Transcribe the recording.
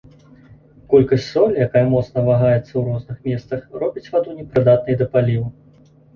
Колькасць солі, якая моцна вагаецца ў розных месцах, робіць ваду непрыдатнай для паліву.